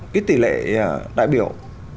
cái tỷ lệ đại biểu